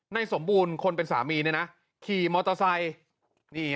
ในสมบูรณ์คนเป็นสามีเนี่ยนะขี่มอเตอร์ไซค์